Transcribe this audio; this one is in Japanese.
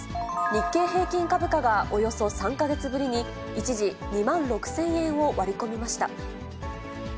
日経平均株価がおよそ３か月ぶりに、一時２万６０００円を割り込みました。